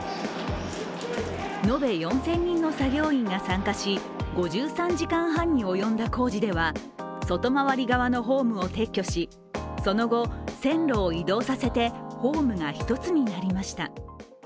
延べ４０００人の作業員が参加し５３時間半に及んだ工事では外回り側のホームを撤去しその後、線路を移動させてホームが１つになりました。